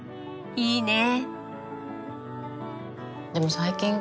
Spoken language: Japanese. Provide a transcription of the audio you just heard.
いいね！